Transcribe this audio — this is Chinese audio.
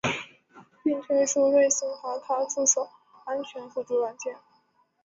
并推出了瑞星卡卡助手安全辅助软件。